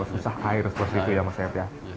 susah air seperti itu ya mas yat ya